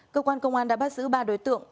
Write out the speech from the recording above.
cơ quan công an đã bắt giữ ba đối tượng